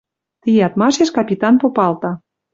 Ти ядмашеш капитан попалта: